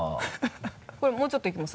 これもうちょっといきます？